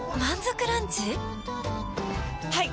はい！